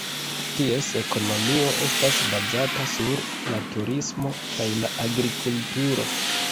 Ties ekonomio estas bazata sur la turismo kaj la agrikulturo.